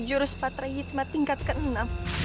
jurus patra hitma tingkat ke enam